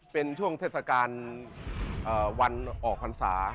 เป็นช่วงเทศกาลวันออกพรรษา